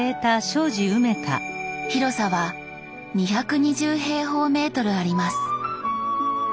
広さは２２０平方メートルあります。